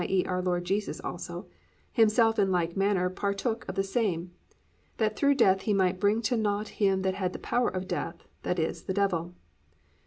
e., our Lord Jesus also) +himself in like manner partook of the same; that through death he might bring to naught him that had the power of death, that is, the devil."